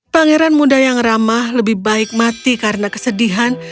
pangeran muda yang ramah lebih baik mati karena kesedihan